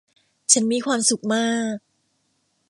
ฉันมีความสุขมาก !